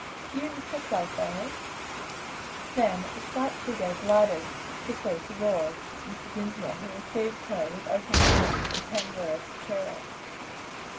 do you miss your playfellows?" then glided quickly toward Mr. Dinsmore, who received her with open arms and tenderest caress.